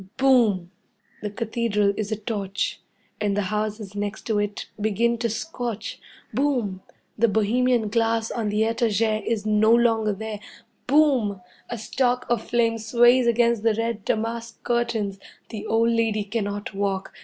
Boom! The Cathedral is a torch, and the houses next to it begin to scorch. Boom! The bohemian glass on the 'etagere' is no longer there. Boom! A stalk of flame sways against the red damask curtains. The old lady cannot walk.